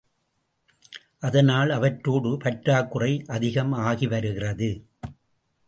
அதனால் அவற்றோடு பற்றாக்குறை அதிகம் ஆகிவருகிறது.